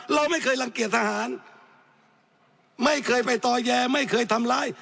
เราไม่เคยรังเกียจทหารไม่เคยไปต่อแยไม่เคยทำร้าย